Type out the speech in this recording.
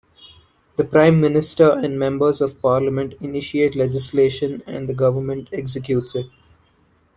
The Prime Minister and members of Parliament initiate legislation and the government executes it.